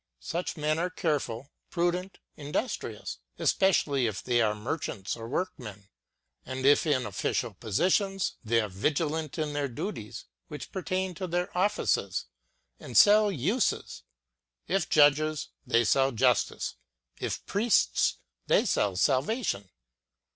Such men are careful, prudent, indus trious, ŌĆö especially if they are merchants, or workmen. If in official position, they are vigilant in the duties which pertain to their offices, ŌĆö and sell uses ; if judges, they sell justice ; if priests, they sell salvation.